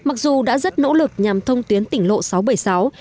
mặc dù đã rất nỗ lực nhằm thông tuyến tỉnh lộ sáu trăm bảy mươi sáu